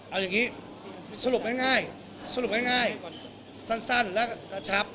เอาอย่างงี้สรุปง่ายสั้นและชับ